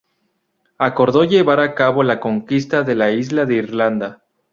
Acordó llevar a cabo la Conquista de la isla de Irlanda.